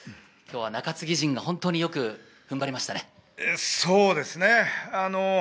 中継ぎ陣が本当によく踏ん張りましたね。